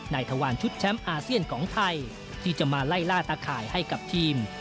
ทวารชุดแชมป์อาเซียนของไทยที่จะมาไล่ล่าตะข่ายให้กับทีม